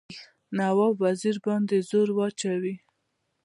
نواب وزیر باندي زور واچوي.